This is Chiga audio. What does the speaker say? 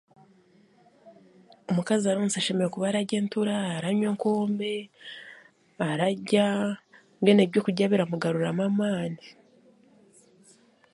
Omukazi aronsa ashemereire kuba ararya entura aranywa enkombe ararya mbwenu ebyokurya biramugaruramu amaani